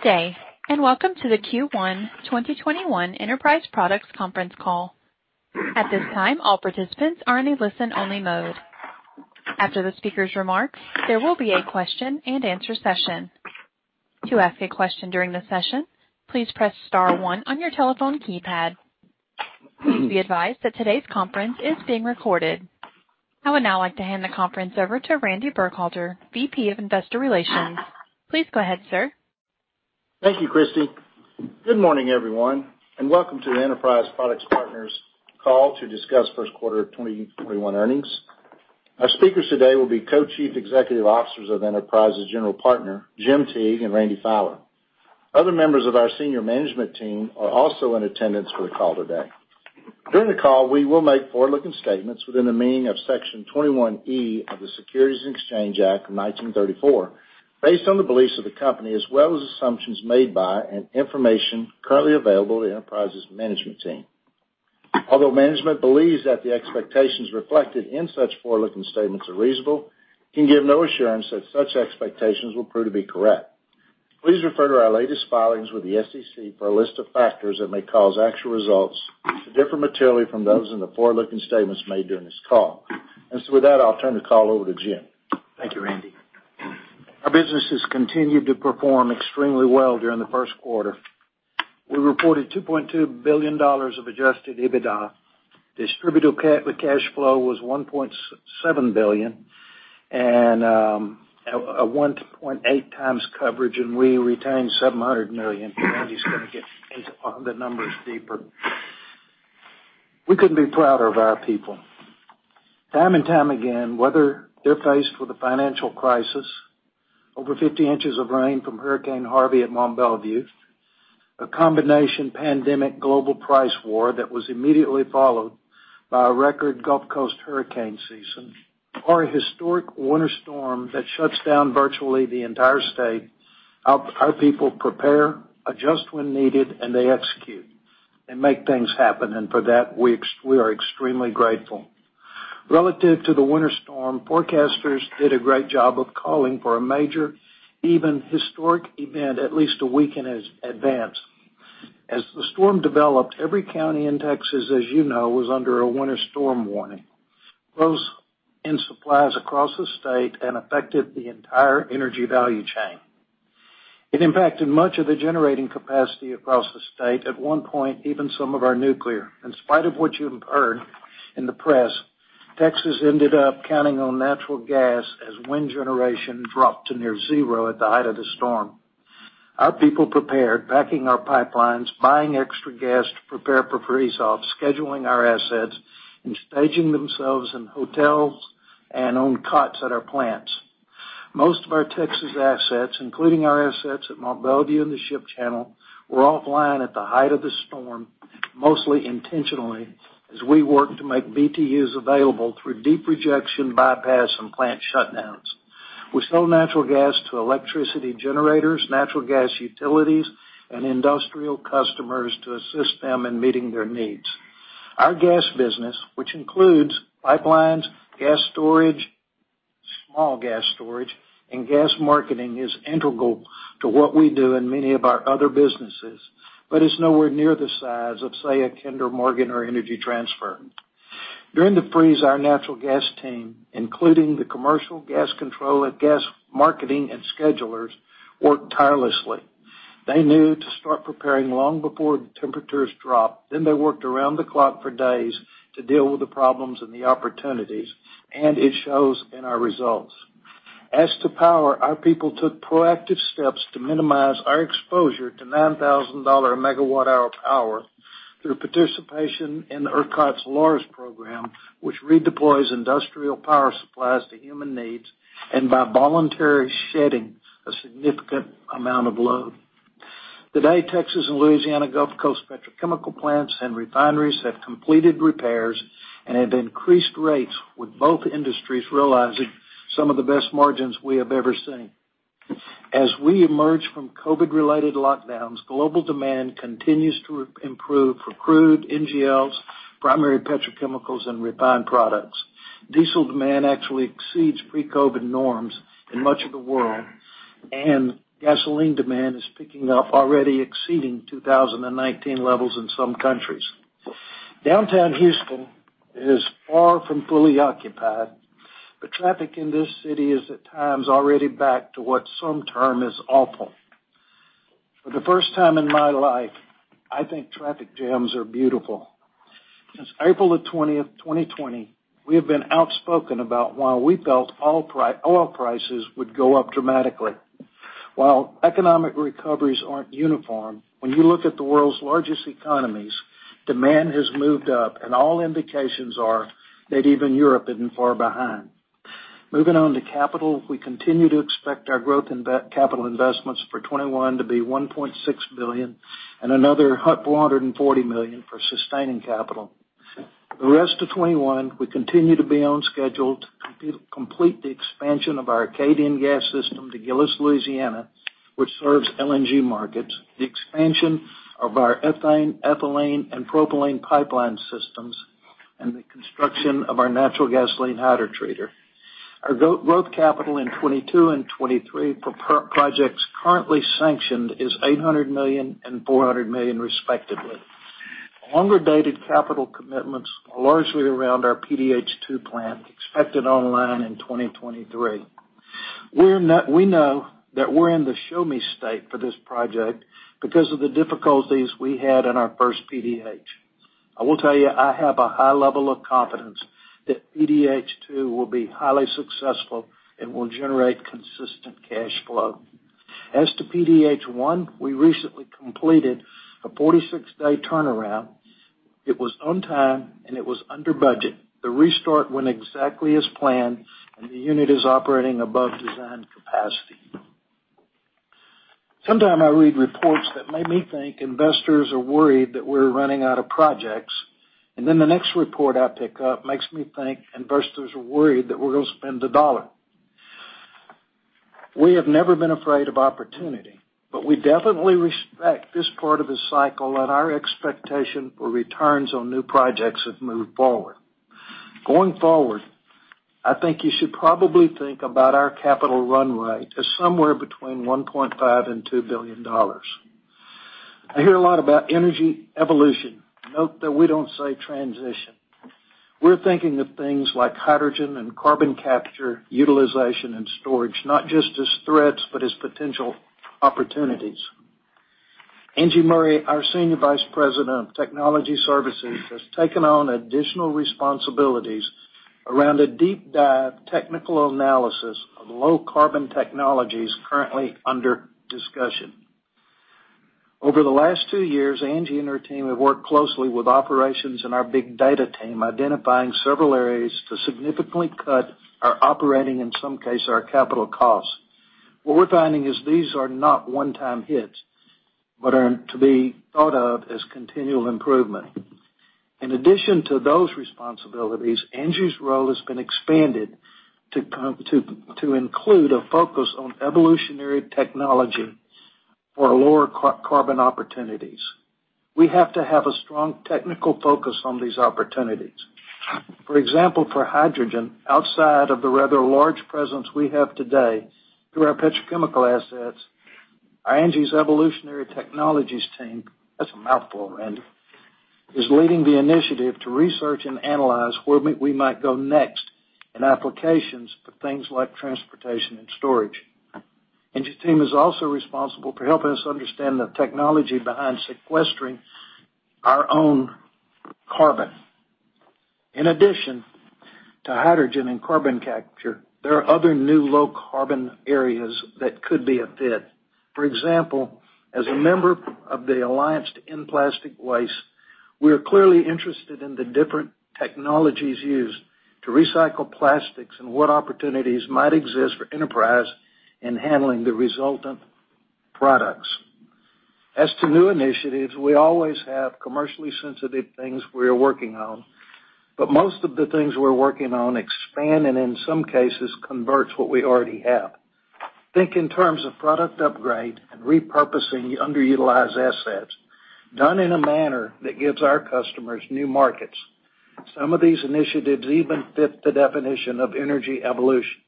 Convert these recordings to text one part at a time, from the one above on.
Good day, and welcome to the Q1 2021 Enterprise Products Conference Call. At this time, all participants are in a listen-only mode. After the speaker's remarks, there will be a question and answer session. To ask a question during the session, please press star one on your telephone keypad. Please be advised that today's conference is being recorded. I would now like to hand the conference over to Randy Burkhalter, VP of Investor Relations. Please go ahead, sir. Thank you, Christy. Good morning, everyone, and welcome to the Enterprise Products Partners call to discuss first quarter 2021 earnings. Our speakers today will be Co-Chief Executive Officers of Enterprise's general partner, Jim Teague and Randy Fowler. Other members of our senior management team are also in attendance for the call today. During the call, we will make forward-looking statements within the meaning of Section 21E of the Securities Exchange Act of 1934, based on the beliefs of the company as well as assumptions made by and information currently available to Enterprise's management team. Although management believes that the expectations reflected in such forward-looking statements are reasonable, it can give no assurance that such expectations will prove to be correct. Please refer to our latest filings with the SEC for a list of factors that may cause actual results to differ materially from those in the forward-looking statements made during this call. With that, I'll turn the call over to Jim. Thank you, Randy. Our businesses continued to perform extremely well during the first quarter. We reported $2.2 billion of adjusted EBITDA. Distributable cash flow was $1.7 billion and a 1.8x coverage, and we retained $700 million. Randy's going to get into the numbers deeper. We couldn't be prouder of our people. Time and time again, whether they're faced with a financial crisis, over 50 in of rain from Hurricane Harvey at Mont Belvieu, a combination pandemic global price war that was immediately followed by a record Gulf Coast hurricane season, or a historic winter storm that shuts down virtually the entire state, our people prepare, adjust when needed, and they execute and make things happen. For that, we are extremely grateful. Relative to the winter storm, forecasters did a great job of calling for a major, even historic event at least a week in advance. As the storm developed, every county in Texas, as you know, was under a winter storm warning. Closed-in supplies across the state and affected the entire energy value chain. It impacted much of the generating capacity across the state, at one point, even some of our nuclear. In spite of what you've heard in the press, Texas ended up counting on natural gas as wind generation dropped to near zero at the height of the storm. Our people prepared, backing our pipelines, buying extra gas to prepare for freeze-off, scheduling our assets, and staging themselves in hotels and on cots at our plants. Most of our Texas assets, including our assets at Mont Belvieu and the Ship Channel, were offline at the height of the storm, mostly intentionally, as we worked to make BTUs available through deep rejection bypass and plant shutdowns. We sold natural gas to electricity generators, natural gas utilities, and industrial customers to assist them in meeting their needs. Our gas business, which includes pipelines, gas storage, small gas storage, and gas marketing, is integral to what we do in many of our other businesses, but it's nowhere near the size of, say, a Kinder Morgan or Energy Transfer. During the freeze, our natural gas team, including the commercial gas control and gas marketing and schedulers, worked tirelessly. They knew to start preparing long before the temperatures dropped. They worked around the clock for days to deal with the problems and the opportunities, and it shows in our results. As to power, our people took proactive steps to minimize our exposure to $9,000 a megawatt hour of power through participation in ERCOT's LRS program, which redeploys industrial power supplies to human needs, and by voluntary shedding a significant amount of load. Today, Texas and Louisiana Gulf Coast petrochemical plants and refineries have completed repairs and at increased rates, with both industries realizing some of the best margins we have ever seen. As we emerge from COVID-related lockdowns, global demand continues to improve for crude, NGLs, primary petrochemicals, and refined products. Diesel demand actually exceeds pre-COVID norms in much of the world, and gasoline demand is picking up, already exceeding 2019 levels in some countries. Downtown Houston is far from fully occupied, but traffic in this city is, at times, already back to what some term as awful. For the first time in my life, I think traffic jams are beautiful. Since April 20th, 2020, we have been outspoken about why we felt oil prices would go up dramatically. While economic recoveries aren't uniform, when you look at the world's largest economies, demand has moved up, and all indications are that even Europe isn't far behind. Moving on to capital, we continue to expect our growth capital investments for 2021 to be $1.6 billion and another $140 million for sustaining capital. The rest of 2021, we continue to be on schedule to complete the expansion of our Acadian Gas System to Gillis, Louisiana, which serves LNG markets, the expansion of our ethane, ethylene, and propylene pipeline systems and the construction of our natural gasoline hydrotreater. Our growth capital in 2022 and 2023 for projects currently sanctioned is $800 million and $400 million respectively. Longer-dated capital commitments are largely around our PDH 2 plant, expected online in 2023. We know that we're in the Show-Me State for this project because of the difficulties we had in our first PDH. I will tell you, I have a high level of confidence that PDH 2 will be highly successful and will generate consistent cash flow. As to PDH 1, we recently completed a 46-day turnaround. It was on time, and it was under budget. The restart went exactly as planned, and the unit is operating above design capacity. Sometimes I read reports that make me think investors are worried that we're running out of projects, and then the next report I pick up makes me think investors are worried that we're going to spend a dollar. We have never been afraid of opportunity, but we definitely respect this part of the cycle, and our expectation for returns on new projects have moved forward. Going forward, I think you should probably think about our capital run rate as somewhere between $1.5 billion and $2 billion. I hear a lot about energy evolution. Note that we don't say transition. We're thinking of things like hydrogen and carbon capture, utilization, and storage, not just as threats, but as potential opportunities. Angie Murray, our Senior Vice President of Technology Services, has taken on additional responsibilities around a deep dive technical analysis of low-carbon technologies currently under discussion. Over the last two years, Angie and her team have worked closely with operations and our big data team, identifying several areas to significantly cut our operating, in some case, our capital costs. What we're finding is these are not one-time hits, but are to be thought of as continual improvement. In addition to those responsibilities, Angie's role has been expanded to include a focus on evolutionary technology for lower carbon opportunities. We have to have a strong technical focus on these opportunities. For example, for hydrogen, outside of the rather large presence we have today through our petrochemical assets, Angie's evolutionary technologies team, that's a mouthful, Angie, is leading the initiative to research and analyze where we might go next in applications for things like transportation and storage. Angie's team is also responsible for helping us understand the technology behind sequestering our own carbon. In addition to hydrogen and carbon capture, there are other new low-carbon areas that could be a fit. For example, as a member of the Alliance to End Plastic Waste, we are clearly interested in the different technologies used to recycle plastics and what opportunities might exist for Enterprise in handling the resultant products. As to new initiatives, we always have commercially sensitive things we are working on, but most of the things we're working on expand and, in some cases, converts what we already have. Think in terms of product upgrade and repurposing the underutilized assets, done in a manner that gives our customers new markets. Some of these initiatives even fit the definition of energy evolution.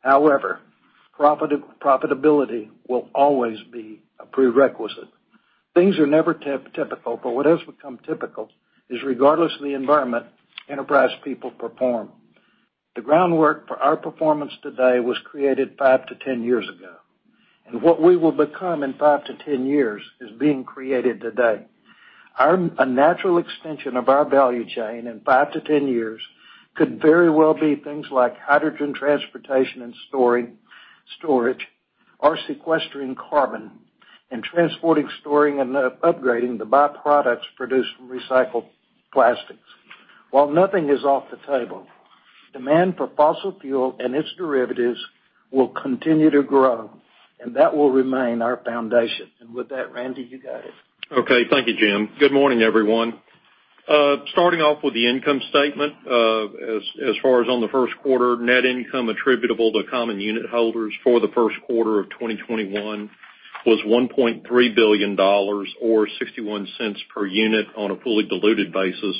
However, profitability will always be a prerequisite. Things are never typical, but what has become typical is regardless of the environment, Enterprise people perform. The groundwork for our performance today was created 5-10 years ago, and what we will become in 5-10 years is being created today. A natural extension of our value chain in 5-10 years could very well be things like hydrogen transportation and storage, or sequestering carbon and transporting, storing, and upgrading the by-products produced from recycled plastics. While nothing is off the table, demand for fossil fuel and its derivatives will continue to grow, and that will remain our foundation. With that, Randy, you got it. Okay. Thank you, Jim. Good morning, everyone. Starting off with the income statement. As far as on the first quarter, net income attributable to common unit holders for the first quarter of 2021 was $1.3 billion, or $0.61 per unit on a fully diluted basis.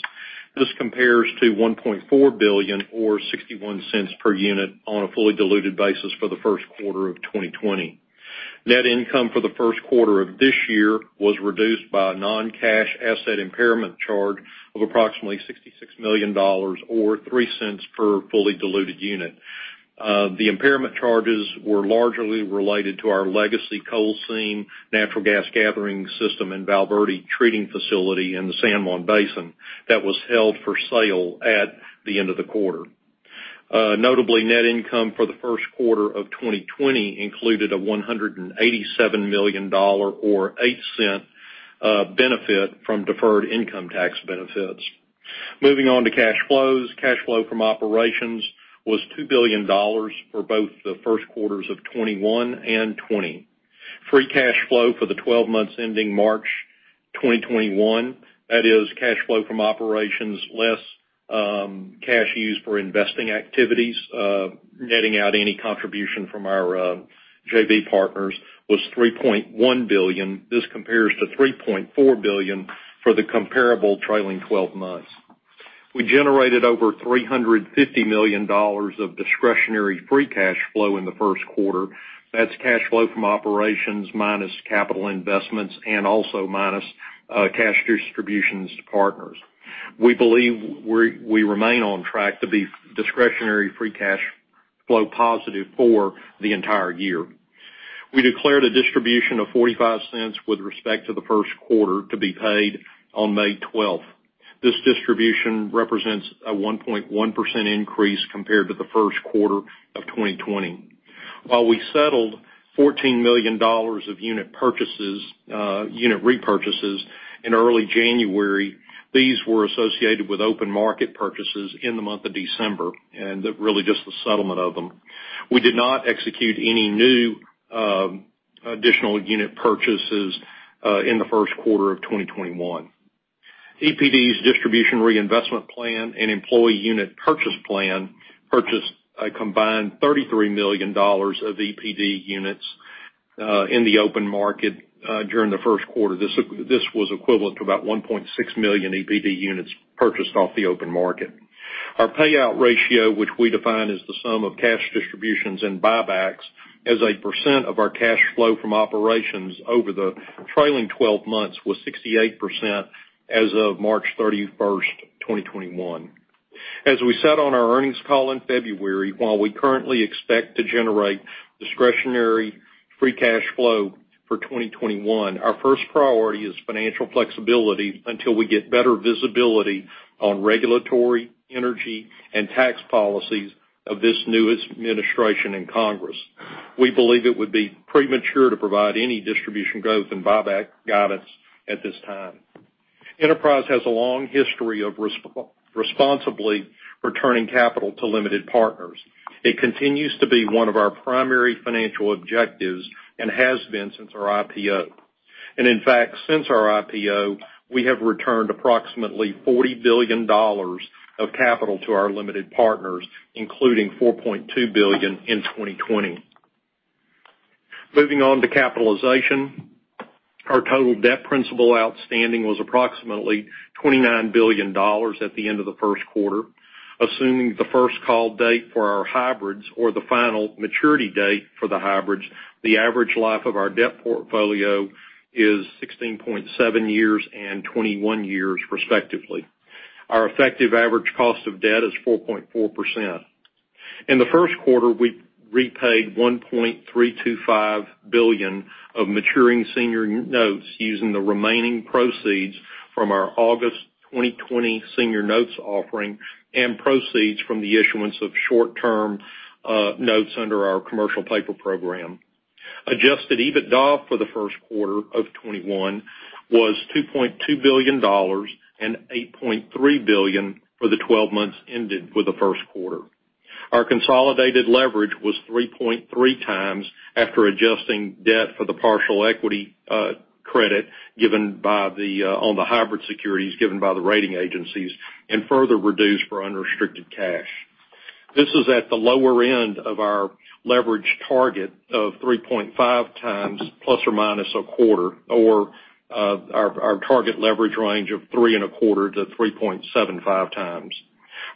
This compares to $1.4 billion or $0.61 per unit on a fully diluted basis for the first quarter of 2020. Net income for the first quarter of this year was reduced by a non-cash asset impairment charge of approximately $66 million, or $0.03 per fully diluted unit. The impairment charges were largely related to our legacy coal seam natural gas gathering system and Val Verde treating facility in the San Juan Basin that was held for sale at the end of the quarter. Notably, net income for the first quarter of 2020 included a $187 million or $0.08 benefit from deferred income tax benefits. Moving on to cash flows. Cash flow from operations was $2 billion for both the first quarters of 2021 and 2020. Free cash flow for the 12 months ending March 2021, that is cash flow from operations less cash used for investing activities, netting out any contribution from our JV partners, was $3.1 billion. This compares to $3.4 billion for the comparable trailing 12 months. We generated over $350 million of discretionary free cash flow in the first quarter. That's cash flow from operations minus capital investments and also minus cash distributions to partners. We believe we remain on track to be discretionary free cash flow positive for the entire year. We declared a distribution of $0.45 with respect to the first quarter to be paid on May 12th. This distribution represents a 1.1% increase compared to the first quarter of 2020. While we settled $14 million of unit repurchases in early January, these were associated with open market purchases in the month of December, and really just the settlement of them. We did not execute any new additional unit purchases in the first quarter of 2021. EPD's distribution reinvestment plan and employee unit purchase plan purchased a combined $33 million of EPD units in the open market during the first quarter. This was equivalent to about 1.6 million EPD units purchased off the open market. Our payout ratio, which we define as the sum of cash distributions and buybacks as a percent of our cash flow from operations over the trailing 12 months, was 68% as of March 31st, 2021. As we said on our earnings call in February, while we currently expect to generate discretionary free cash flow for 2021, our first priority is financial flexibility until we get better visibility on regulatory, energy, and tax policies of this newest administration and Congress. We believe it would be premature to provide any distribution growth and buyback guidance at this time. Enterprise has a long history of responsibly returning capital to limited partners. It continues to be one of our primary financial objectives and has been since our IPO. In fact, since our IPO, we have returned approximately $40 billion of capital to our limited partners, including $4.2 billion in 2020. Moving on to capitalization. Our total debt principal outstanding was approximately $29 billion at the end of the first quarter. Assuming the first call date for our hybrids or the final maturity date for the hybrids, the average life of our debt portfolio is 16.7 years and 21 years respectively. Our effective average cost of debt is 4.4%. In the first quarter, we repaid $1.325 billion of maturing senior notes using the remaining proceeds from our August 2020 senior notes offering and proceeds from the issuance of short-term notes under our commercial paper program. Adjusted EBITDA for the first quarter of 2021 was $2.2 billion and $8.3 billion for the 12 months ended with the first quarter. Our consolidated leverage was 3.3x after adjusting debt for the partial equity credit on the hybrid securities given by the rating agencies and further reduced for unrestricted cash. This is at the lower end of our leverage target of 3.5x ±0.25, or our target leverage range of 3.25x to 3.75x.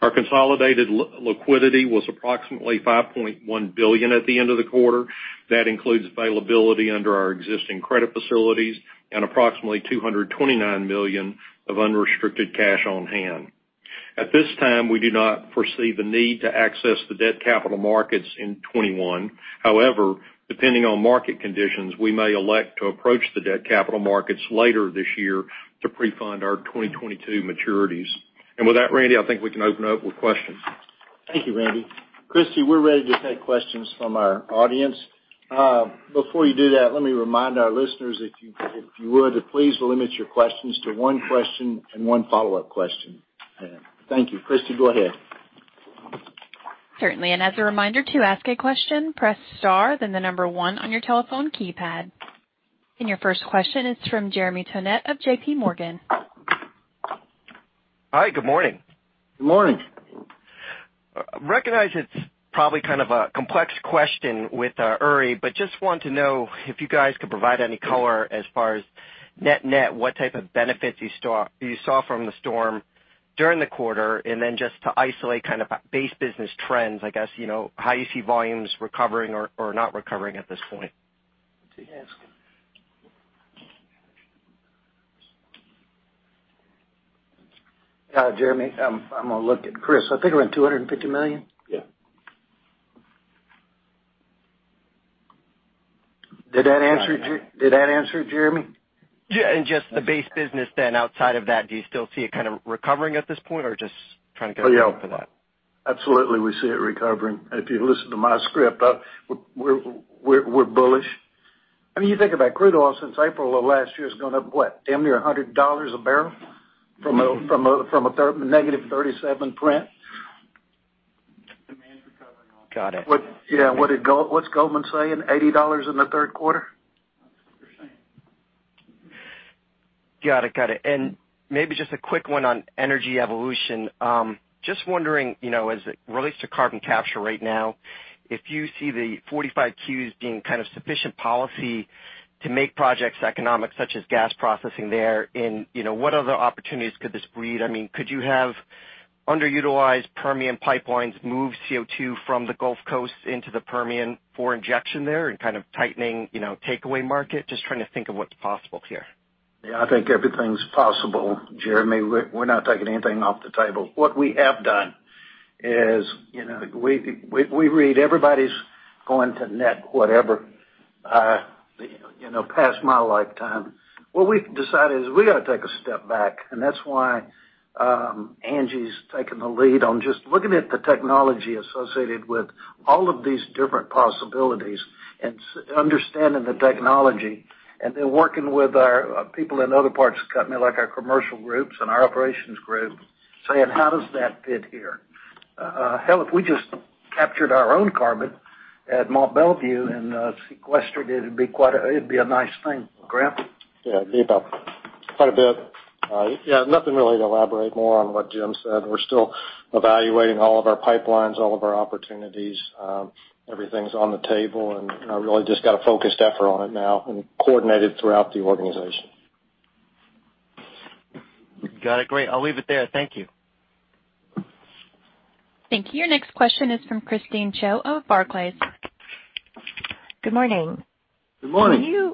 Our consolidated liquidity was approximately $5.1 billion at the end of the quarter. That includes availability under our existing credit facilities and approximately $229 million of unrestricted cash on hand. At this time, we do not foresee the need to access the debt capital markets in 2021. However, depending on market conditions, we may elect to approach the debt capital markets later this year to pre-fund our 2022 maturities. With that, Randy, I think we can open it up with questions. Thank you, Randy. Christy, we're ready to take questions from our audience. Before you do that, let me remind our listeners, if you would, to please limit your questions to one question and one follow-up question. Thank you. Christy, go ahead. Certainly. As a reminder, to ask a question, press star, then the number one on your telephone keypad. Your first question is from Jeremy Tonet of JPMorgan. Hi, good morning. Good morning. Recognize it's probably kind of a complex question with Uri, but just wanted to know if you guys could provide any color as far as net what type of benefits you saw from the storm during the quarter, and then just to isolate kind of base business trends, I guess, how you see volumes recovering or not recovering at this point. Jeremy, I'm going to look at Chris. I think around $250 million. Yeah. Did that answer, Jeremy? Yeah. Just the base business then outside of that, do you still see it kind of recovering at this point? Just trying to get a feel for that. Oh, yeah. Absolutely, we see it recovering. If you listen to my script, we're bullish. I mean, you think about crude oil since April of last year has gone up, what, damn near $100 a barrel from a -37 print. Got it. Yeah. What's Goldman saying, $80 in the third quarter? Got it. Maybe just a quick one on energy evolution. Just wondering, as it relates to carbon capture right now, if you see the 45Q being sufficient policy to make projects economic, such as gas processing there, and what other opportunities could this breed? Could you have underutilized Permian pipelines move CO2 from the Gulf Coast into the Permian for injection there and tightening takeaway market? Just trying to think of what's possible here. I think everything's possible, Jeremy. We're not taking anything off the table. What we have done is we read everybody's going to net whatever, past my lifetime. What we've decided is we've got to take a step back, and that's why Angie's taking the lead on just looking at the technology associated with all of these different possibilities and understanding the technology, and then working with our people in other parts of the company, like our commercial groups and our operations group, saying, "How does that fit here?" Hell, if we just captured our own carbon at Mont Belvieu and sequestered it'd be a nice thing. Graham? Yeah, it'd be quite a bit. Yeah, nothing really to elaborate more on what Jim said. We're still evaluating all of our pipelines, all of our opportunities. Everything's on the table, and really just got a focused effort on it now, and coordinated throughout the organization. Got it. Great. I'll leave it there. Thank you. Thank you. Your next question is from Christine Cho of Barclays. Good morning. Good morning.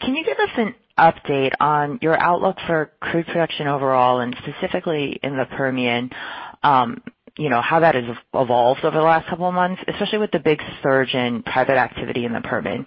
Can you give us an update on your outlook for crude production overall, and specifically in the Permian, how that has evolved over the last couple of months, especially with the big surge in private activity in the Permian?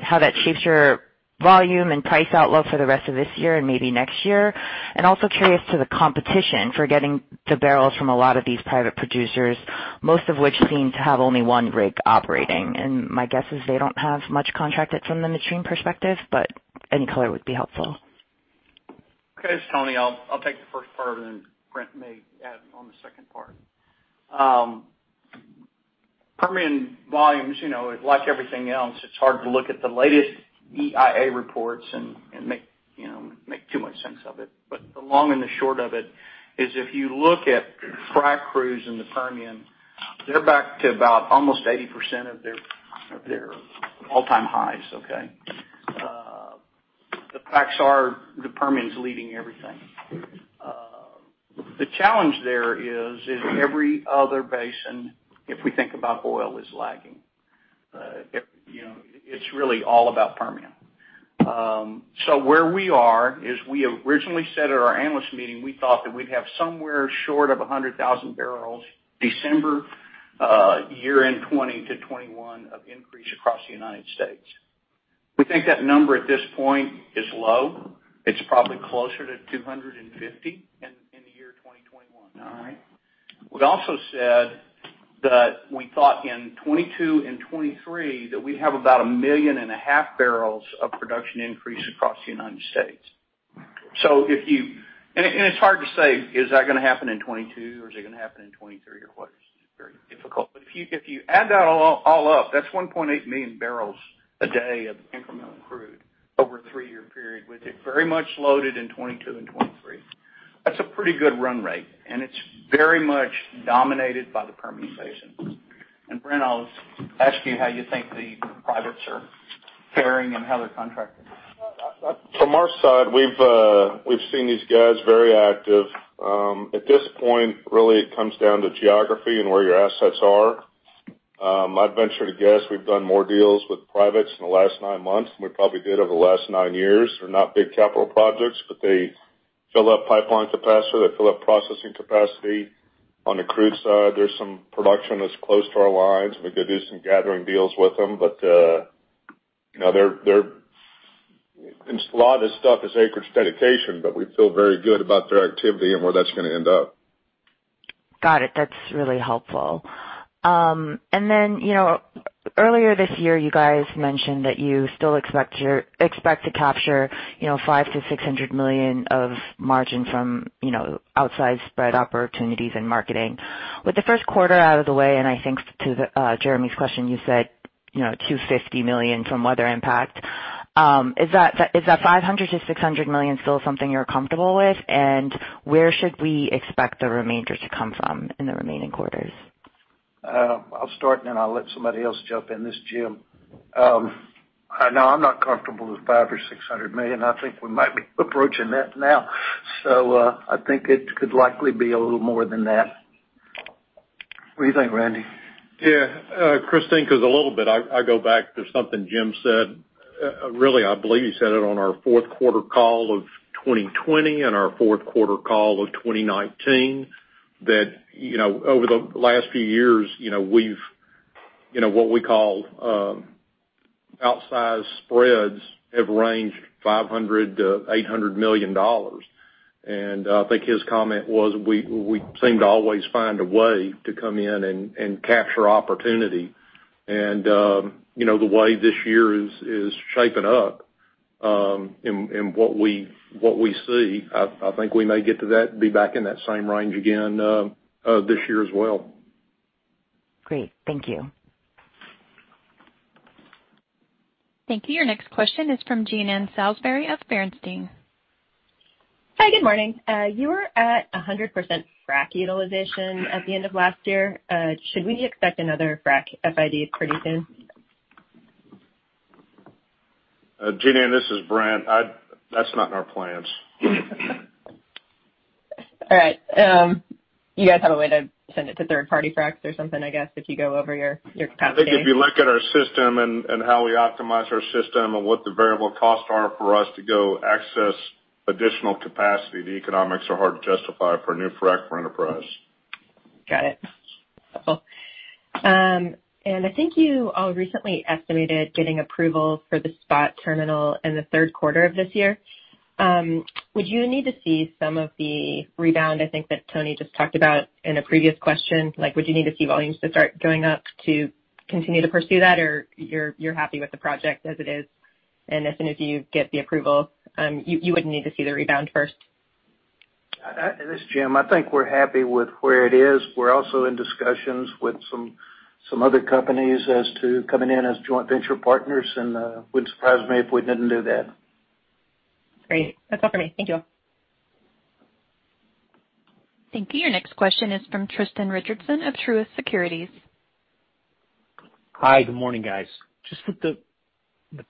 How that shapes your volume and price outlook for the rest of this year and maybe next year, and also curious to the competition for getting the barrels from a lot of these private producers, most of which seem to have only one rig operating? My guess is they don't have much contracted from the midstream perspective, but any color would be helpful. Okay. This is Tony. I'll take the first part, and then Brent may add on the second part. Permian volumes, like everything else, it's hard to look at the latest EIA reports and make too much sense of it. The long and the short of it is if you look at frac crews in the Permian, they're back to about almost 80% of their all-time highs, okay? The facts are the Permian's leading everything. The challenge there is every other basin, if we think about oil, is lagging. It's really all about Permian. Where we are is we originally said at our analyst meeting, we thought that we'd have somewhere short of 100,000 bbl December year-end 2020-2021 of increase across the United States. We think that number at this point is low. It's probably closer to 250 in the year 2021. All right? We also said that we thought in 2022 and 2023 that we'd have about a 1.5 million bbl of production increase across the U.S. It's hard to say, is that going to happen in 2022 or is it going to happen in 2023, or what? It's very difficult. If you add that all up, that's 1.8 million bpd of incremental crude over a three-year period, with it very much loaded in 2022 and 2023. That's a pretty good run rate, and it's very much dominated by the Permian Basin. Brent, I'll ask you how you think the privates are faring and how they're contracted. From our side, we've seen these guys very active. At this point, really, it comes down to geography and where your assets are. I'd venture to guess we've done more deals with privates in the last nine months than we probably did over the last nine years. They're not big capital projects, but they fill up pipeline capacity. They fill up processing capacity. On the crude side, there's some production that's close to our lines. We could do some gathering deals with them, but a lot of this stuff is acreage dedication, but we feel very good about their activity and where that's going to end up. Got it. That's really helpful. Earlier this year, you guys mentioned that you still expect to capture $500 million-$600 million of margin from outsized spread opportunities in marketing. With the first quarter out of the way, and I think to Jeremy's question, you said, $250 million from weather impact. Is that $500 million-$600 million still something you're comfortable with? Where should we expect the remainder to come from in the remaining quarters? I'll start, and then I'll let somebody else jump in. This is Jim. No, I'm not comfortable with $500 million or $600 million. I think we might be approaching that now. I think it could likely be a little more than that. What do you think, Randy? Yeah. Christine, because a little bit, I go back to something Jim said. Really, I believe he said it on our fourth quarter call of 2020 and our fourth quarter call of 2019, that over the last few years, what we call outsized spreads have ranged $500 million-$800 million. I think his comment was we seem to always find a way to come in and capture opportunity. The way this year is shaping up, and what we see, I think we may get to that and be back in that same range again this year as well. Great. Thank you. Thank you. Your next question is from Jean Ann Salisbury of Bernstein. Hi. Good morning. You were at 100% frac utilization at the end of last year. Should we expect another frac FID pretty soon? Jean Ann, this is Brent. That's not in our plans. All right. You guys have a way to send it to third party fracs or something, I guess, if you go over your capacity. I think if you look at our system and how we optimize our system and what the variable costs are for us to go access additional capacity, the economics are hard to justify for a new frac for Enterprise. Got it. I think you all recently estimated getting approval for the SPOT terminal in the third quarter of this year. Would you need to see some of the rebound, I think, that Tony just talked about in a previous question? Would you need to see volumes to start going up to continue to pursue that, or you're happy with the project as it is, and as soon as you get the approval, you wouldn't need to see the rebound first? This is Jim. I think we're happy with where it is. We're also in discussions with some other companies as to coming in as joint venture partners. Wouldn't surprise me if we didn't do that. Great. That's all for me. Thank you. Thank you. Your next question is from Tristan Richardson of Truist Securities. Hi, good morning, guys. Just with the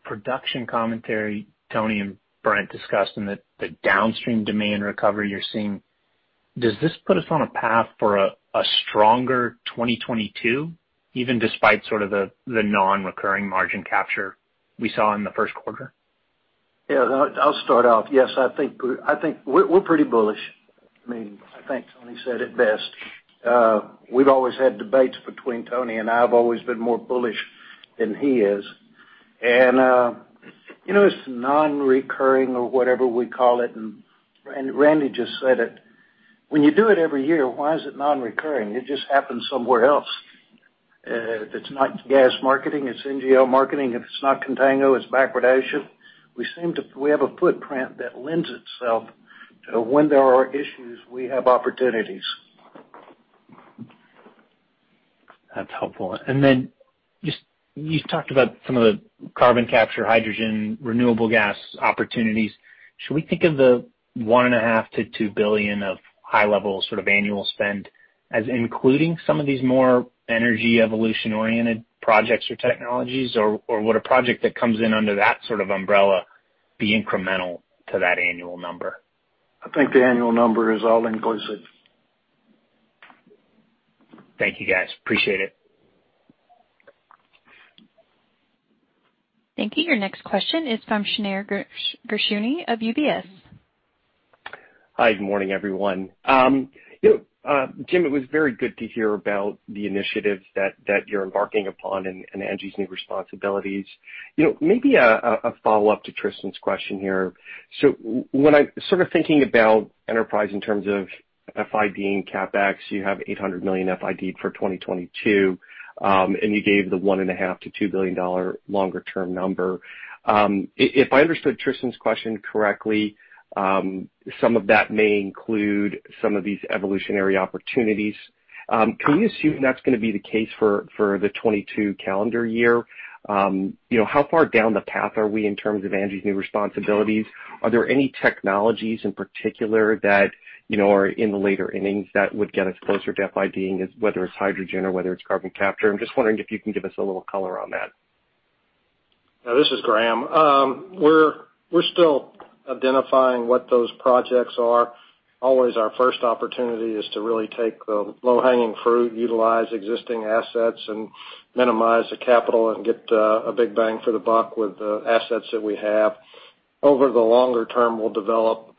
production commentary Tony and Brent discussed and the downstream demand recovery you're seeing, does this put us on a path for a stronger 2022, even despite sort of the non-recurring margin capture we saw in the first quarter? Yeah, I'll start off. Yes, I think we're pretty bullish. I think Tony said it best. We've always had debates between Tony and I. I've always been more bullish than he is. It's non-recurring or whatever we call it, and Randy just said it. When you do it every year, why is it non-recurring? It just happens somewhere else. If it's not gas marketing, it's NGL marketing. If it's not contango, it's backwardation. We have a footprint that lends itself to when there are issues, we have opportunities. That's helpful. Just, you talked about some of the carbon capture, hydrogen, renewable gas opportunities. Should we think of the $1.5 billion-$2 billion of high level sort of annual spend as including some of these more energy evolution-oriented projects or technologies, or would a project that comes in under that sort of umbrella be incremental to that annual number? I think the annual number is all inclusive. Thank you, guys. Appreciate it. Thank you. Your next question is from Shneur Gershuni of UBS. Hi. Good morning, everyone. Jim, it was very good to hear about the initiatives that you're embarking upon and Angie's new responsibilities. Maybe a follow-up to Tristan's question here. When I'm sort of thinking about Enterprise in terms of FID and CapEx, you have $800 million FID for 2022, and you gave the $1.5 billion-$2 billion longer term number. If I understood Tristan's question correctly, some of that may include some of these evolutionary opportunities. Can we assume that's going to be the case for the 2022 calendar year? How far down the path are we in terms of Angie's new responsibilities? Are there any technologies in particular that are in the later innings that would get us closer to FID-ing, whether it's hydrogen or whether it's carbon capture? I'm just wondering if you can give us a little color on that. This is Graham. We're still identifying what those projects are. Always our first opportunity is to really take the low-hanging fruit, utilize existing assets, and minimize the capital and get a big bang for the buck with the assets that we have. Over the longer term, we'll develop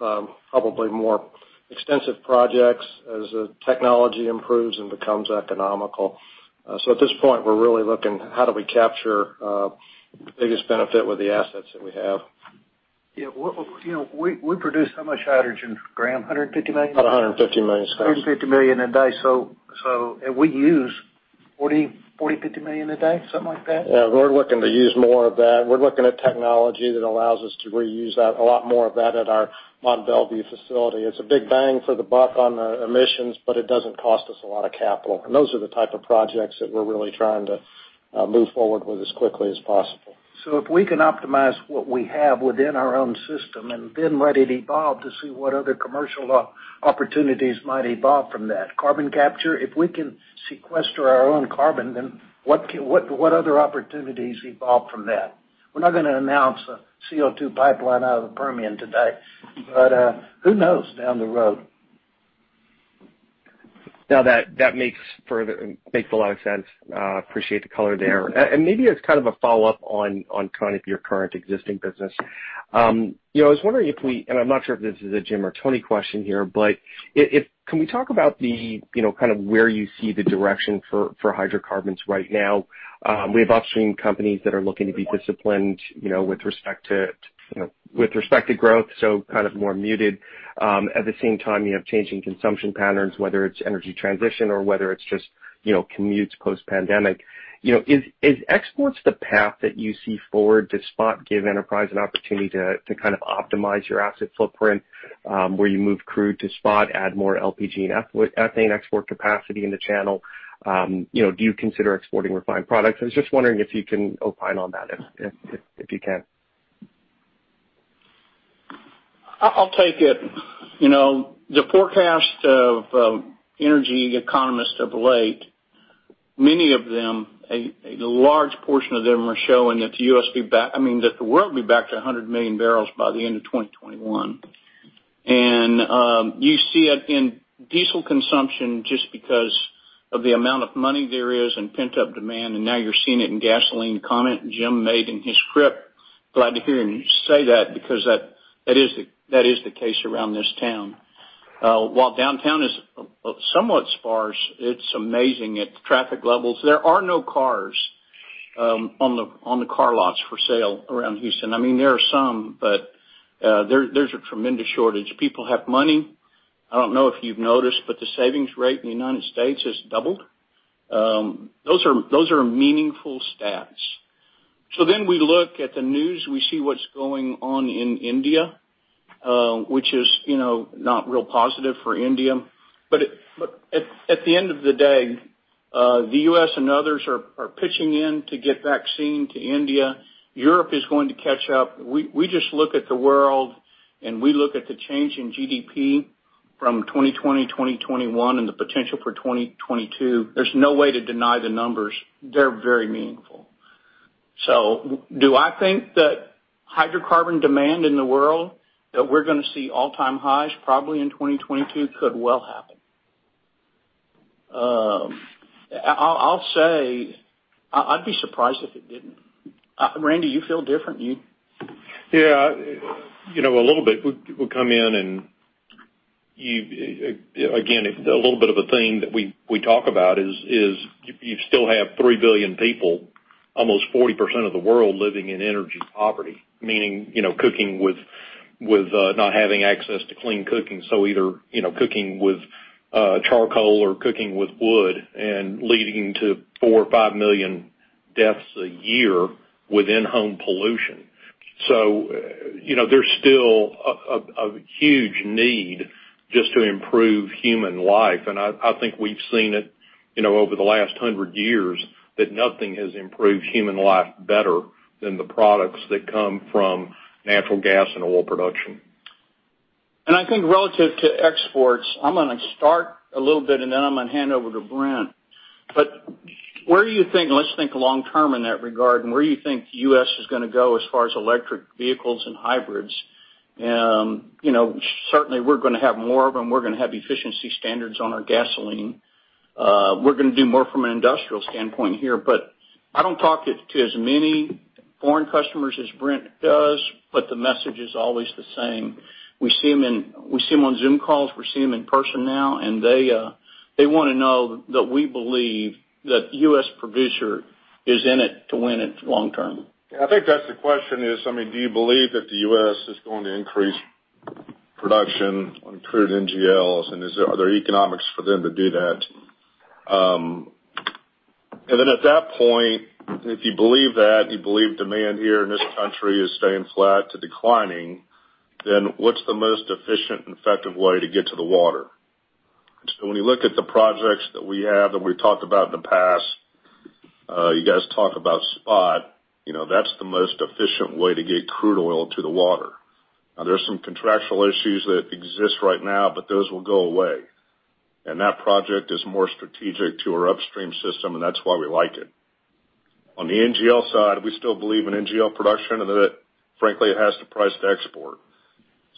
probably more extensive projects as the technology improves and becomes economical. At this point, we're really looking how do we capture the biggest benefit with the assets that we have. Yeah. We produce how much hydrogen, Graham, 150 million? 150 million. 150 million a day. We use 40 million, 50 million a day, something like that? We're looking to use more of that. We're looking at technology that allows us to reuse a lot more of that at our Mont Belvieu facility. It's a big bang for the buck on the emissions, but it doesn't cost us a lot of capital. Those are the type of projects that we're really trying to move forward with as quickly as possible. If we can optimize what we have within our own system and then let it evolve to see what other commercial opportunities might evolve from that. Carbon capture, if we can sequester our own carbon, then what other opportunities evolve from that? We're not going to announce a CO2 pipeline out of the Permian today, but who knows down the road. No, that makes a lot of sense. Appreciate the color there. Maybe as kind of a follow-up on kind of your current existing business. I was wondering if I'm not sure if this is a Jim or Tony question here, can we talk about the kind of where you see the direction for hydrocarbons right now? We have upstream companies that are looking to be disciplined with respect to growth, so kind of more muted. At the same time, you have changing consumption patterns, whether it's energy transition or whether it's just commutes post-pandemic. Is exports the path that you see forward? Does SPOT give Enterprise Products Partners an opportunity to kind of optimize your asset footprint? Where you move crude to SPOT, add more LPG and ethane export capacity in the channel. Do you consider exporting refined products? I was just wondering if you can opine on that, if you can. I'll take it. The forecast of energy economists of late, many of them, a large portion of them are showing that the world will be back to 100 million bbl by the end of 2021. You see it in diesel consumption just because of the amount of money there is and pent-up demand, and now you're seeing it in gasoline comment Jim made in his script. Glad to hear him say that because that is the case around this town. While downtown is somewhat sparse, it's amazing at the traffic levels. There are no cars on the car lots for sale around Houston. There are some, but there's a tremendous shortage. People have money. I don't know if you've noticed, but the savings rate in the U.S. has doubled. Those are meaningful stats. We look at the news. We see what's going on in India, which is not real positive for India. At the end of the day, the U.S. and others are pitching in to get vaccine to India. Europe is going to catch up. We just look at the world, and we look at the change in GDP from 2020 to 2021 and the potential for 2022. There's no way to deny the numbers. They're very meaningful. Do I think that hydrocarbon demand in the world, that we're going to see all-time highs probably in 2022? Could well happen. I'll say I'd be surprised if it didn't. Randy, you feel different? Yeah. A little bit. We'll come in, again, a little bit of a theme that we talk about is you still have 3 billion people, almost 40% of the world, living in energy poverty, meaning cooking with not having access to clean cooking. Either cooking with charcoal or cooking with wood and leading to 4 million-5 million deaths a year within home pollution. There's still a huge need just to improve human life. I think we've seen it over the last 100 years that nothing has improved human life better than the products that come from natural gas and oil production. I think relative to exports, I'm going to start a little bit, and then I'm going to hand over to Brent. Let's think long term in that regard, and where do you think U.S. is going to go as far as electric vehicles and hybrids? Certainly, we're going to have more of them. We're going to have efficiency standards on our gasoline. We're going to do more from an industrial standpoint here. I don't talk to as many foreign customers as Brent does, but the message is always the same. We see them on Zoom calls, we see them in person now, and they want to know that we believe that U.S. producer is in it to win it long term. I think that's the question is, do you believe that the U.S. is going to increase production on crude NGLs, are there economics for them to do that? Then at that point, if you believe that, you believe demand here in this country is staying flat to declining, what's the most efficient and effective way to get to the water? When you look at the projects that we have, that we've talked about in the past, you guys talk about SPOT. That's the most efficient way to get crude oil to the water. Now, there's some contractual issues that exist right now, those will go away. That project is more strategic to our upstream system, that's why we like it. On the NGL side, we still believe in NGL production, that frankly, it has to price to export.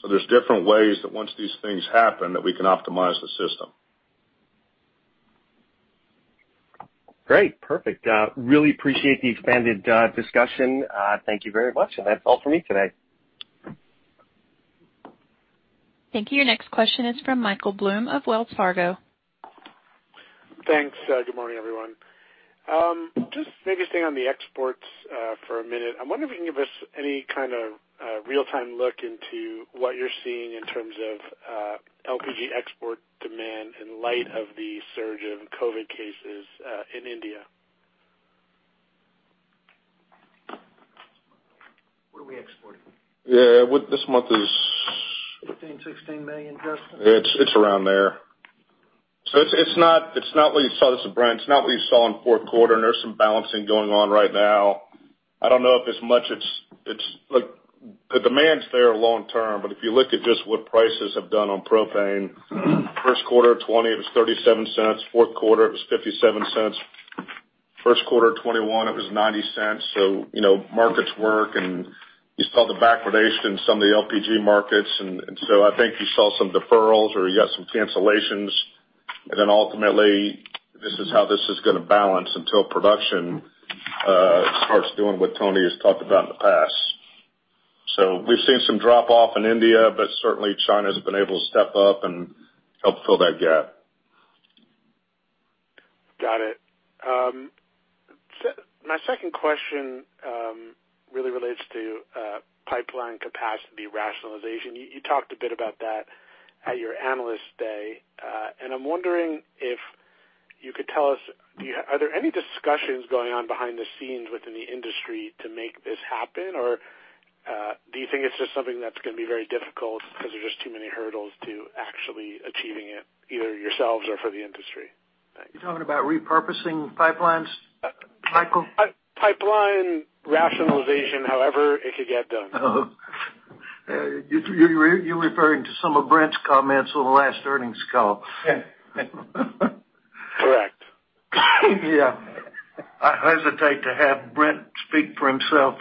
There's different ways that once these things happen, that we can optimize the system. Great. Perfect. Really appreciate the expanded discussion. Thank you very much. That's all for me today. Thank you. Your next question is from Michael Blum of Wells Fargo. Thanks. Good morning, everyone. Just maybe staying on the exports for a minute. I wonder if you can give us any kind of real-time look into what you're seeing in terms of LPG export demand in light of the surge of COVID cases in India. What are we exporting? Yeah. 15 million, 16 million+ It's around there. This is Brent. It's not what you saw in fourth quarter, and there's some balancing going on right now. I don't know if it's much. The demand's there long term. If you look at just what prices have done on propane, first quarter 2020, it was $0.37. Fourth quarter, it was $0.57. First quarter 2021, it was $0.90. Markets work, and you saw the backwardation in some of the LPG markets. I think you saw some deferrals or you got some cancellations. Ultimately, this is how this is going to balance until production starts doing what Tony has talked about in the past. We've seen some drop off in India, but certainly China's been able to step up and help fill that gap. Got it. My second question really relates to pipeline capacity rationalization. You talked a bit about that at your Analyst Day. I'm wondering if you could tell us, are there any discussions going on behind the scenes within the industry to make this happen? Do you think it's just something that's going to be very difficult because there's just too many hurdles to actually achieving it, either yourselves or for the industry? You're talking about repurposing pipelines? Michael? Pipeline rationalization, however it could get done. You're referring to some of Brent's comments on the last earnings call. Yeah. Correct. Yeah. I hesitate to have Brent speak for himself.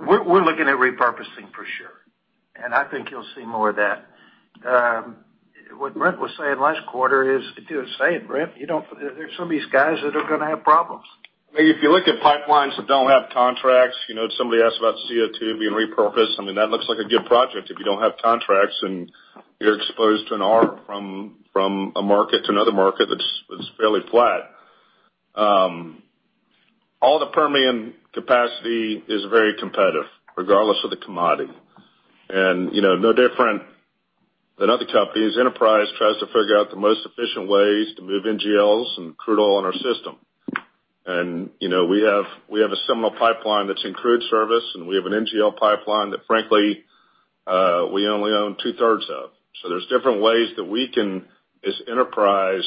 We're looking at repurposing for sure, and I think you'll see more of that. What Brent was saying last quarter, say it, Brent. There's some of these guys that are going to have problems. If you look at pipelines that don't have contracts, somebody asked about CO2 being repurposed. I mean, that looks like a good project if you don't have contracts and you're exposed to an arb from a market to another market that's fairly flat. All the Permian capacity is very competitive regard less of the commodity. No different than other companies, Enterprise tries to figure out the most efficient ways to move NGLs and crude oil in our system. We have a similar pipeline that's in crude service, and we have an NGL pipeline that frankly, we only own two-thirds of. There's different ways that we can, as Enterprise,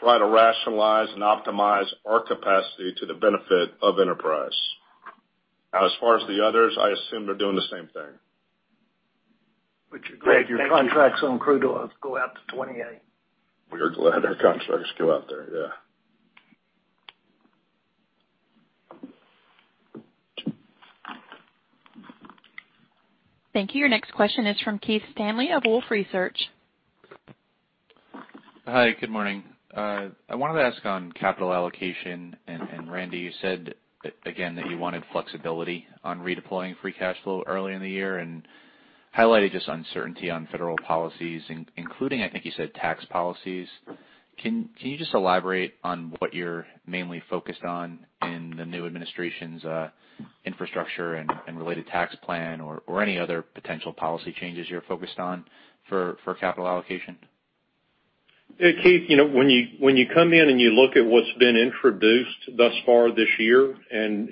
try to rationalize and optimize our capacity to the benefit of Enterprise. Now, as far as the others, I assume they're doing the same thing. Which is great. Thank you. Your contracts on crude oils go out to 2028. We are glad our contracts go out there, yeah. Thank you. Your next question is from Keith Stanley of Wolfe Research. Hi, good morning. I wanted to ask on capital allocation, Randy, you said again that you wanted flexibility on redeploying free cash flow earlier in the year and highlighted just uncertainty on federal policies, including, I think you said, tax policies. Can you just elaborate on what you're mainly focused on in the new administration's infrastructure and related tax plan or any other potential policy changes you're focused on for capital allocation? Yeah, Keith, when you come in and you look at what's been introduced thus far this year, and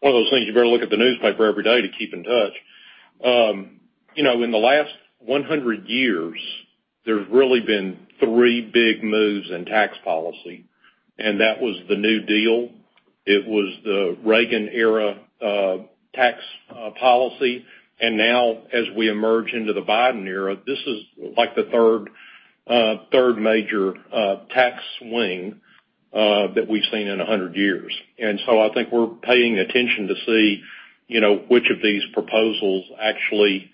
one of those things you better look at the newspaper every day to keep in touch. In the last 100 years, there's really been three big moves in tax policy, and that was the New Deal, it was the Reagan era tax policy, and now as we emerge into the Biden era, this is like the third major tax swing that we've seen in 100 years. I think we're paying attention to see which of these proposals actually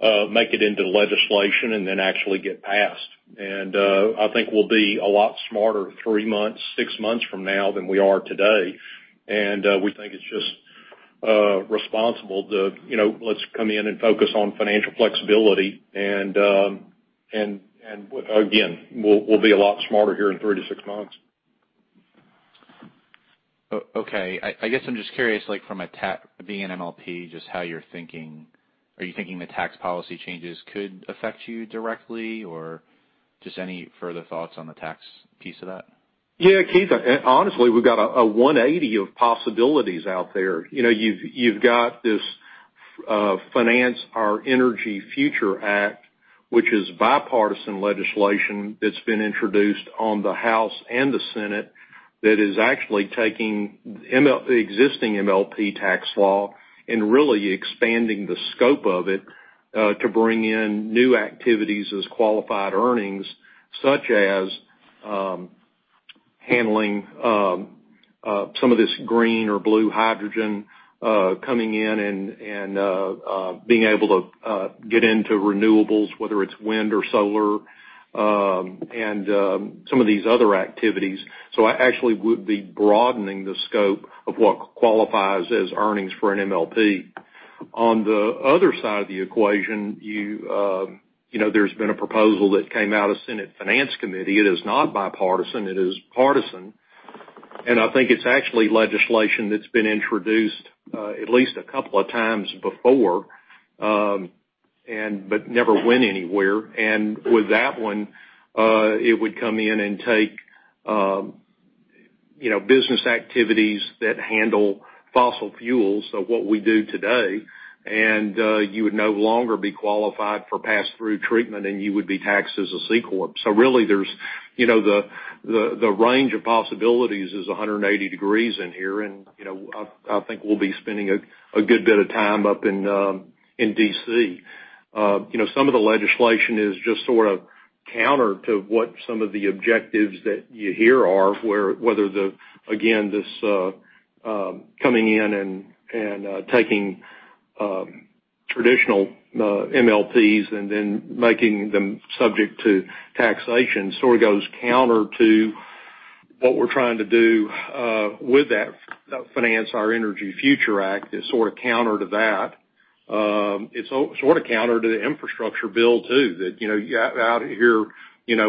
make it into legislation and then actually get passed. I think we'll be a lot smarter three months, six months from now than we are today. We think it's just responsible to, let's come in and focus on financial flexibility. Again, we'll be a lot smarter here in three to six months. Okay. I guess I'm just curious from being an MLP, just how you're thinking. Are you thinking the tax policy changes could affect you directly? Just any further thoughts on the tax piece of that? Yeah, Keith, honestly, we've got a 180 of possibilities out there. You've got this Financing Our Energy Future Act, which is bipartisan legislation that's been introduced on the House and the Senate that is actually taking existing MLP tax law and really expanding the scope of it to bring in new activities as qualified earnings, such as handling some of this green or blue hydrogen coming in and being able to get into renewables, whether it's wind or solar, and some of these other activities. I actually would be broadening the scope of what qualifies as earnings for an MLP. On the other side of the equation, there's been a proposal that came out of Senate Finance Committee. It is not bipartisan, it is partisan, and I think it's actually legislation that's been introduced at least a couple of times before but never went anywhere. With that one, it would come in and take business activities that handle fossil fuels, so what we do today, and you would no longer be qualified for pass-through treatment, and you would be taxed as a C corp. Really the range of possibilities is 180 degrees in here, and I think we'll be spending a good bit of time up in D.C. Some of the legislation is just sort of counter to what some of the objectives that you hear are, whether, again, this coming in and taking traditional MLPs and then making them subject to taxation sort of goes counter to what we're trying to do with that Financing Our Energy Future Act. It's sort of counter to that. It's sort of counter to the infrastructure bill too, that out here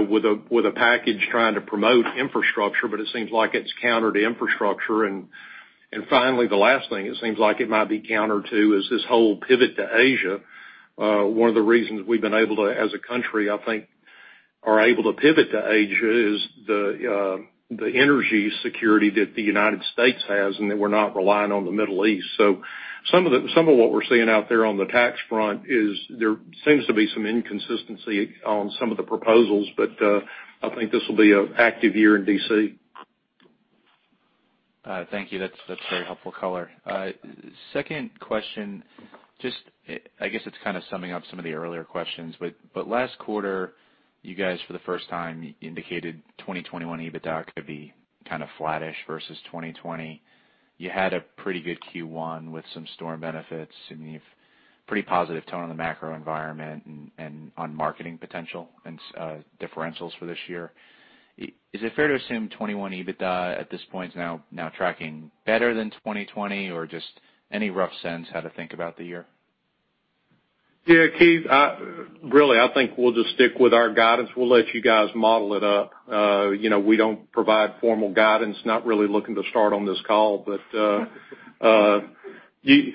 with a package trying to promote infrastructure, but it seems like it's counter to infrastructure. Finally, the last thing it seems like it might be counter to is this whole pivot to Asia. One of the reasons we've been able to, as a country, I think, are able to pivot to Asia is the energy security that the U.S. has and that we're not relying on the Middle East. Some of what we're seeing out there on the tax front is there seems to be some inconsistency on some of the proposals, but I think this will be an active year in D.C. Thank you. That's very helpful color. Second question, summing up some of the earlier questions, last quarter, you guys, for the first time, indicated 2021 EBITDA could be flat-ish versus 2020. You had a pretty good Q1 with some storm benefits, you have pretty positive tone on the macro environment and on marketing potential and differentials for this year. Is it fair to assume 2021 EBITDA at this point is now tracking better than 2020? Any rough sense how to think about the year? Yeah, Keith, really, I think we'll just stick with our guidance. We'll let you guys model it up. We don't provide formal guidance, not really looking to start on this call. You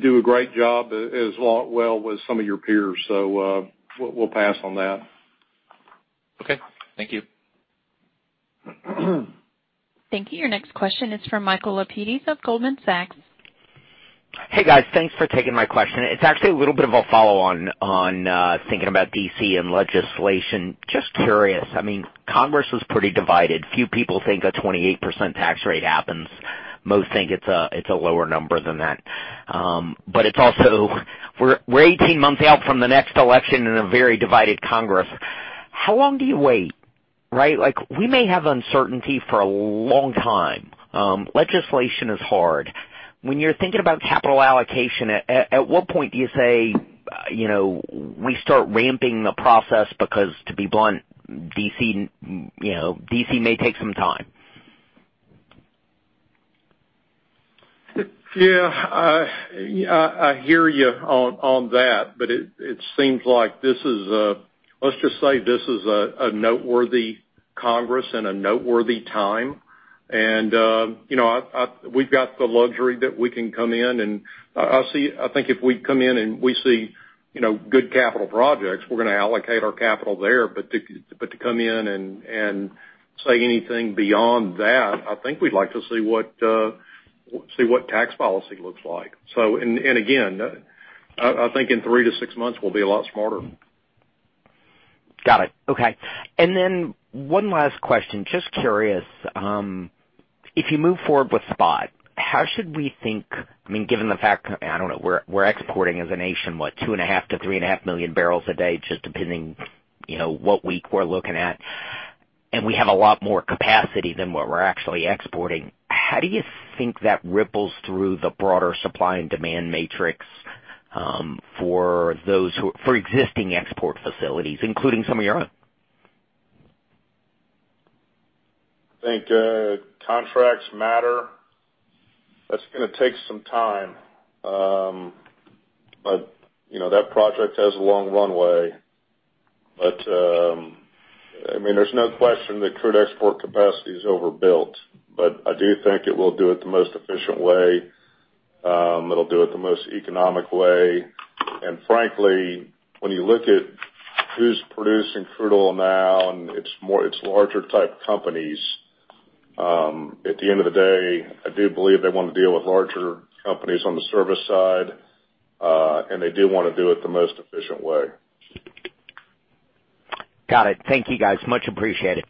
do a great job as well with some of your peers, so we'll pass on that. Okay. Thank you. Thank you. Your next question is from Michael Lapides of Goldman Sachs. Hey, guys. Thanks for taking my question. It's actually a little bit of a follow-on on thinking about D.C. and legislation. Just curious, I mean, Congress was pretty divided. Few people think a 28% tax rate happens. Most think it's a lower number than that. It's also we're 18 months out from the next election in a very divided Congress. How long do you wait, right? Like, we may have uncertainty for a long time. Legislation is hard. When you're thinking about capital allocation, at what point do you say, "We start ramping the process," because, to be blunt, D.C. may take some time? Yeah. I hear you on that, it seems like this is a let's just say this is a noteworthy Congress and a noteworthy time. We've got the luxury that we can come in, and I think if we come in and we see good capital projects, we're going to allocate our capital there. To come in and say anything beyond that, I think we'd like to see what tax policy looks like. Again, I think in three to six months, we'll be a lot smarter. Got it. Okay. One last question. Just curious, if you move forward with SPOT, I mean, given the fact, I don't know, we're exporting as a nation, what, 2.5 MMbpd-3.5 MMbpd, just depending what week we're looking at. We have a lot more capacity than what we're actually exporting. How do you think that ripples through the broader supply and demand matrix for existing export facilities, including some of your own? I think contracts matter. That's going to take some time. That project has a long runway. I mean, there's no question that crude export capacity is overbuilt, but I do think it will do it the most efficient way. It'll do it the most economic way. Frankly, when you look at who's producing crude oil amount, it's larger type companies. At the end of the day, I do believe they want to deal with larger companies on the service side. They do want to do it the most efficient way. Got it. Thank you guys. Much appreciated.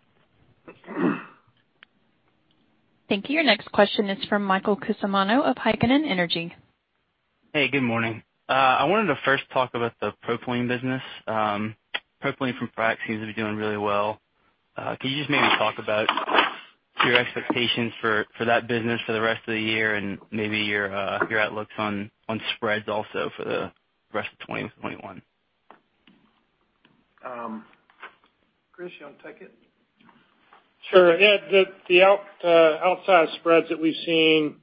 Thank you. Your next question is from Michael Cusimano of Heikkinen Energy. Hey, good morning. I wanted to first talk about the propylene business. Propylene from fracs seems to be doing really well. Can you just maybe talk about your expectations for that business for the rest of the year and maybe your outlooks on spreads also for the rest of 2021? Chris, you want to take it? Sure. Yeah. The outsized spreads that we've seen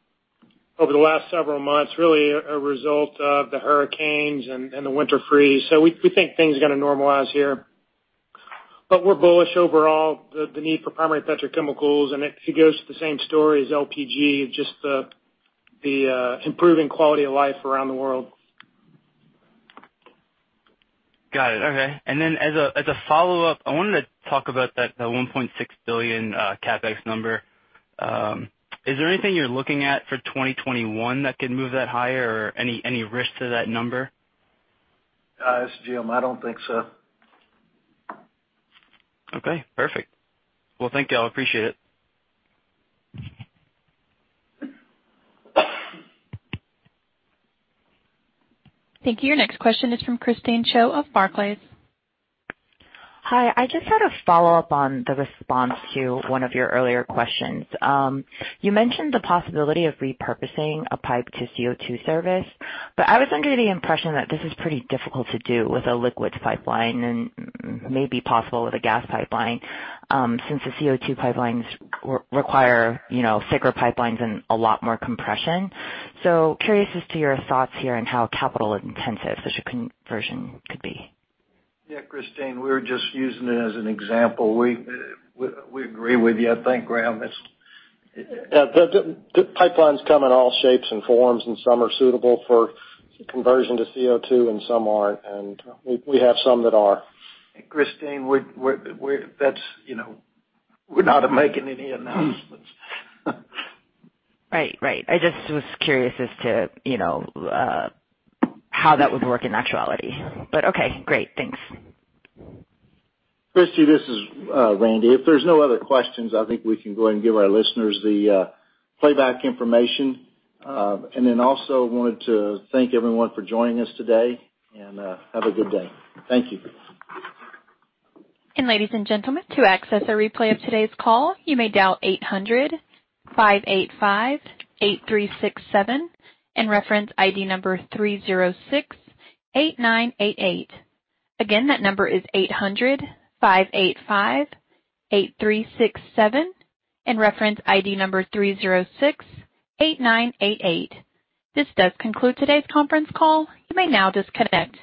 over the last several months really are a result of the hurricanes and the winter freeze. We think things are going to normalize here. We're bullish overall the need for primary petrochemicals, and it goes to the same story as LPG, just the improving quality of life around the world. Got it. Okay. As a follow-up, I wanted to talk about that $1.6 billion CapEx number. Is there anything you're looking at for 2021 that could move that higher or any risk to that number? This is Jim. I don't think so. Okay, perfect. Well, thank you all. Appreciate it. Thank you. Your next question is from Christine Cho of Barclays. Hi. I just had a follow-up on the response to one of your earlier questions. You mentioned the possibility of repurposing a pipe to CO2 service, but I was under the impression that this is pretty difficult to do with a liquids pipeline and may be possible with a gas pipeline, since the CO2 pipelines require thicker pipelines and a lot more compression. Curious as to your thoughts here on how capital intensive such a conversion could be? Yeah, Christine. We were just using it as an example. We agree with you. I think, Graham, it's Yeah. Pipelines come in all shapes and forms, and some are suitable for conversion to CO2 and some aren't. We have some that are. Christine, we're not making any announcements. Right. Right. I just was curious as to how that would work in actuality. Okay, great. Thanks. Christine, this is Randy. If there's no other questions, I think we can go and give our listeners the playback information. Also wanted to thank everyone for joining us today, and have a good day. Thank you. Ladies and gentlemen, to access a replay of today's call, you may dial 800-585-8367 and reference ID number 3068988. That number is 800-585-8367 and reference ID number 3068988. This does conclude today's conference call. You may now disconnect.